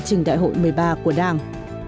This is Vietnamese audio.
trình đại hội một mươi ba của đảng